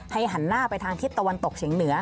หันหน้าไปทางทิศตะวันตกเฉียงเหนือ